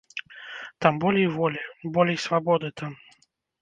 Там болей волі, болей свабоды там.